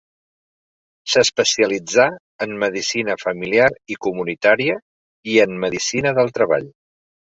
S'especialitzà en medicina familiar i comunitària i en medicina del treball.